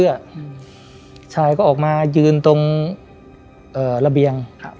อืมชายก็ออกมายืนตรงเอ่อระเบียงครับ